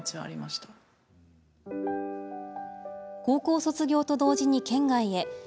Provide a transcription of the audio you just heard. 高校卒業と同時に県外へ。